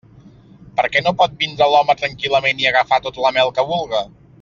Per què no pot vindre l'home tranquil·lament i agafar tota la mel que vulga?